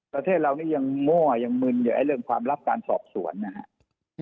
ประเทศเรานี่ยังมั่วยังมึนเยอะไอ้เรื่องความลับการสอบสวนนะฮะ